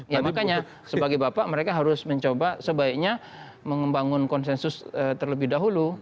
ya makanya sebagai bapak mereka harus mencoba sebaiknya mengembang konsensus terlebih dahulu